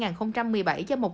do một công ty